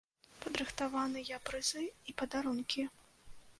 Падрыхтаваныя прызы і падарункі.